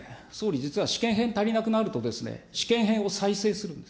実は試験片足りなくなるとですね、試験片を再生するんです。